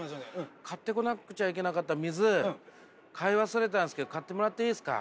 買ってこなくちゃいけなかった水買い忘れたんですけど買ってもらっていいですか？